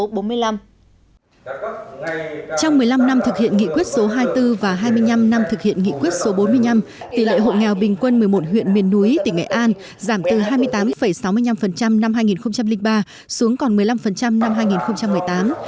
trong một mươi năm năm thực hiện nghị quyết số hai mươi bốn và hai mươi năm năm thực hiện nghị quyết số bốn mươi năm tỷ lệ hộ nghèo bình quân một mươi một huyện miền núi tỉnh nghệ an giảm từ hai mươi tám sáu mươi năm năm hai nghìn ba xuống còn một mươi năm năm hai nghìn một mươi tám